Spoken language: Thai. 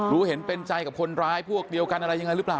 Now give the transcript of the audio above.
รู้เห็นเป็นใจกับคนร้ายพวกเดียวกันอะไรยังไงหรือเปล่า